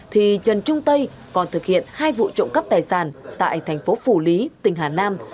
thì trần trung tây còn thực hiện hai vụ trộm cắp tài sản tại thành phố phủ lý tỉnh hà nam